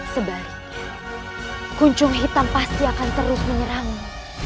sebaliknya kunjung hitam pasti akan terus menyerangmu